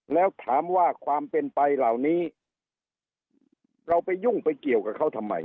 แล้วถามว่าความเป็นไปเหล่านี้เราไปยุ่งไปเกี่ยวกับเขาทำไม